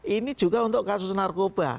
ini juga untuk kasus narkoba